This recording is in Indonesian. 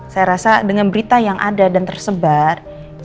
saya rasa dengan berita yang ada dan tersebar